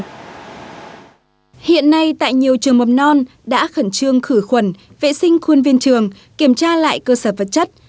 hội trường mập non đã khẩn trương khử khuẩn vệ sinh khuôn viên trường kiểm tra lại cơ sở vật chất